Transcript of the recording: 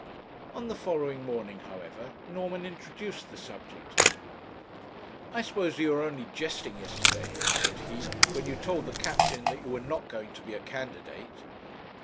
On the following morning, however, Norman introduced the subject. 'I suppose you were only jesting yesterday,' said he, 'when you told the captain that you were not going to be a candidate?'